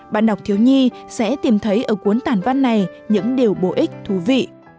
bạn đọc thiếu nhi sẽ tìm thấy ở cuốn tản văn này những điều bổ ích thú vị